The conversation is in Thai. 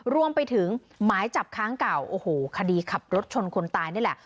รวมไปถึงหมายจับค้างเก่าโอ้โหคดีขับรถชนคนตายนี่แหละ